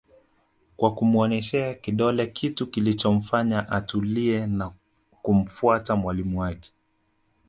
Kwa kumuoneshea kidole kitu kilichomfanya atulie na kumfuata mwalimu wake